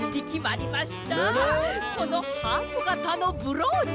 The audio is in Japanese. このハートがたのブローチ！